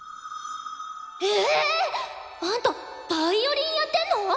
えっ！あんたヴァイオリンやってんの！？